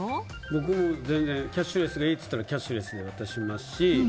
僕も全然キャッシュレスがいいと言ったらキャッシュレスで渡しますし。